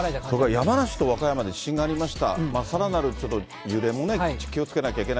山梨と和歌山で地震がありました。